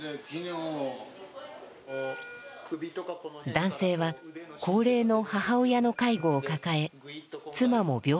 男性は高齢の母親の介護を抱え妻も病気がちでした。